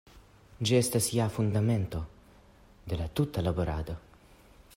Ĝi estas ja la fundamento de la tuta laborado.